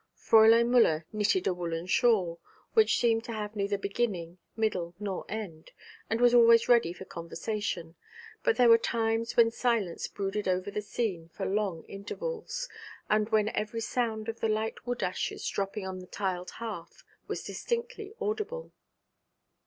Fräulein Müller knitted a woollen shawl, which seemed to have neither beginning, middle, nor end, and was always ready for conversation, but there were times when silence brooded over the scene for long intervals, and when every sound of the light wood ashes dropping on the tiled hearth was distinctly audible.